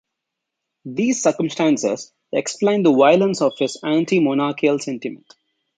These circumstances explain the violence of his anti-monarchical sentiment.